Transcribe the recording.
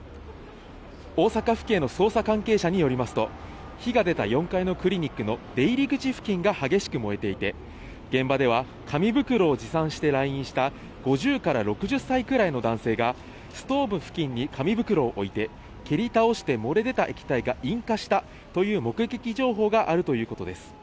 大阪府警の捜査関係者によりますと、火が出た４階のクリニックの出入り口付近が激しく燃えていて、現場では紙袋を持参して来院した、５０から６０歳くらいの男性が、ストーブ付近に紙袋を置いて、蹴り倒して漏れ出た液体が引火したという目撃情報があるということです。